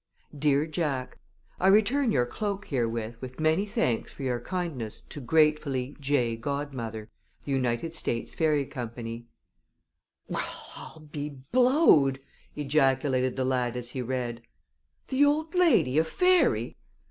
DEAR JACK, I return your cloak herewith with many thanks for your kindness to Yours gratefully, TITANIA J. GODMOTHER, President The United States Fairy Co. "Well, I'll be blowed!" ejaculated the lad as he read. "The old lady a fairy?